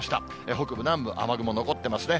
北部、南部、雨雲残ってますね。